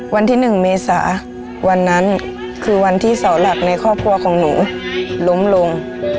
วันที่๑เมษาวันนั้นคือวันที่เสาหลักในครอบครัวของหนูล้มลง